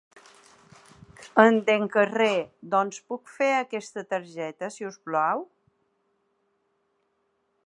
Entencarrer doncs puc fer aquesta targeta si us plau?